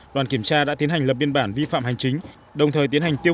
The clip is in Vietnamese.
qua kiểm tra tài xế hoàng không xuất trình được hóa đơn chứng từ chứng minh nguồn gốc số hàng trên